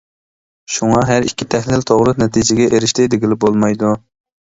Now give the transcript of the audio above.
شۇڭا، ھەر ئىككى تەھلىل توغرا نەتىجىگە ئېرىشتى دېگىلى بولمايدۇ.